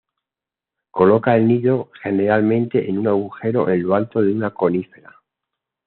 Coloca el nido generalmente en un agujero en lo alto de una conífera.